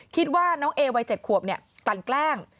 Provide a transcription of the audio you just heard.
คิดว่าน้องเอวัย๗ขวบกลั่นแกล้ง